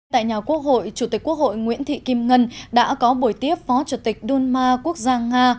tại nhà quốc hội chủ tịch quốc hội nguyễn thị kim ngân đã có buổi tiếp phó chủ tịch đunma quốc gia nga